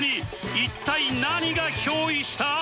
一体何が憑依した？